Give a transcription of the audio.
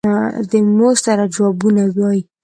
د مور سره جوابونه وايي.